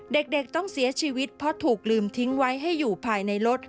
เด็กต้องเสียชีวิตเพราะถูกลืมทิ้งไว้ให้อยู่ภายในรถ